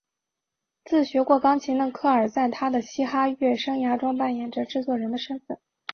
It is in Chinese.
自学过钢琴的科尔在他的嘻哈乐生涯中扮演着制作人的身份。